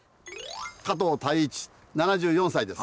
加藤泰一７４歳です。